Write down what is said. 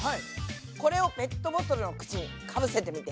これをペットボトルの口にかぶせてみて。